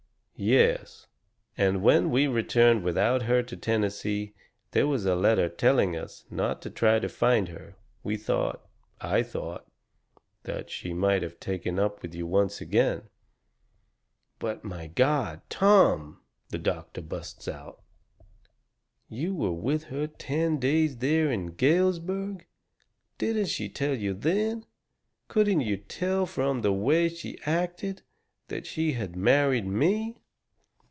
"Yes, and when we returned without her to Tennessee there was a letter telling us not to try to find her. We thought I thought that she might have taken up with you once again." "But, my God! Tom," the doctor busts out, "you were with her ten days there in Galesburg! Didn't she tell you then couldn't you tell from the way she acted that she had married me?"